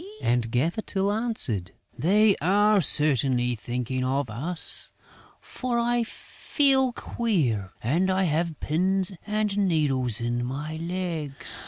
And Gaffer Tyl answered: "They are certainly thinking of us, for I feel queer and I have pins and needles in my legs."